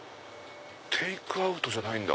テイクアウトじゃないんだ。